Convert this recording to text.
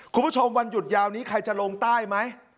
คุณผู้ชมวันหยุดยาวนี้ใครจะลงใต้ไหม